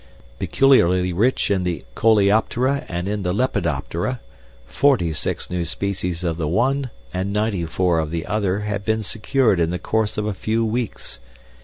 Peculiarly rich in the coleoptera and in the lepidoptera, forty six new species of the one and ninety four of the other had been secured in the course of a few weeks.